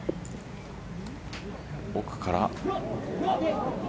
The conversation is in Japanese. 奥から。